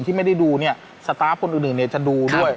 เราไม่มีพวกมันเกี่ยวกับพวกเราแต่เราไม่มีพวกมันเกี่ยวกับพวกเรา